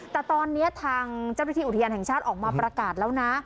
แต่ตอนนี้ทางเจ้าหน้าที่อุทยานแห่งชาติออกมาประกาศแล้วนะ